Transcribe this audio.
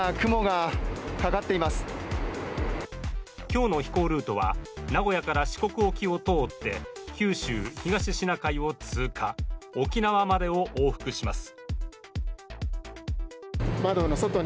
今日の飛行ルートは名古屋から四国沖を通って九州、東シナ海を通過、沖縄までを往復します。